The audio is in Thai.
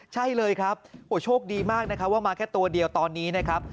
ใช่เลยครับโอ้โชคดีมากนะครับว่ามาแค่ตัวเดียวตอนนี้นะครับ